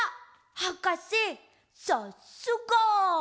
はかせさっすが！